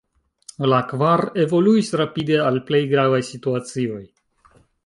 La kvar evoluis rapide al plej gravaj situacioj.